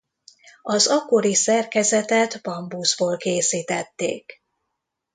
Az akkori szerkezetet bambuszból készítették.